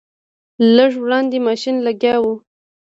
لږ وړاندې ماشین لګیا و.